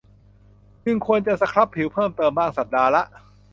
จึงควรจะสครับผิวเพิ่มเติมบ้างสัปดาห์ละ